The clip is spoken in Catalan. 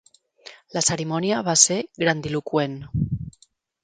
La cerimònia va ser grandiloqüent.